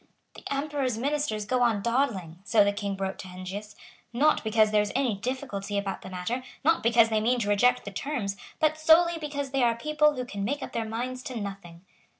"The Emperor's ministers go on dawdling," so the King wrote to Heinsius, "not because there is any difficulty about the matter, not because they mean to reject the terms, but solely because they are people who can make up their minds to nothing."